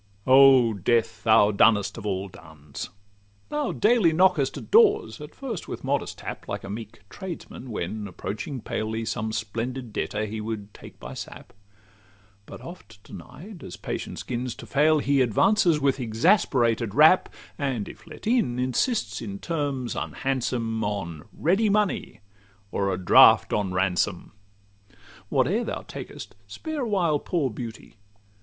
O Death! thou dunnest of all duns! thou daily Knockest at doors, at first with modest tap, Like a meek tradesman when, approaching palely, Some splendid debtor he would take by sap: But oft denied, as patience 'gins to fail, he Advances with exasperated rap, And (if let in) insists, in terms unhandsome, On ready money, or 'a draft on Ransom.' Whate'er thou takest, spare a while poor Beauty!